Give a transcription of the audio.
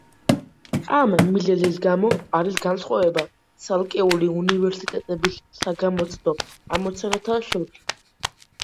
ამ მიზეზის გამო არის განსხვავება ცალკეული უნივერსიტეტების საგამოცდო ამოცანათა შორის.